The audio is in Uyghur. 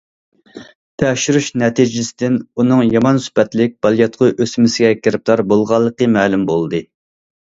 تەكشۈرۈش نەتىجىسىدىن ئۇنىڭ يامان سۈپەتلىك بالىياتقۇ ئۆسمىسىگە گىرىپتار بولغانلىقى مەلۇم بولدى.